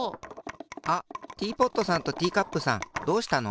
あっティーポットさんとティーカップさんどうしたの？